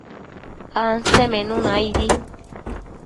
Ansemenuna aidi